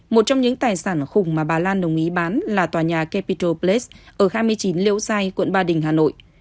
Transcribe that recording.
một trong những tài sản khủng mà bà lan đồng ý bán là tòa nhà capital place ở hai mươi chín liễu giai quận ba đình hà nội